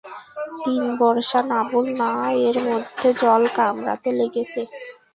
তিন বর্ষা নাবল না, এর মধ্যে জল কামড়াতে লেগেছে।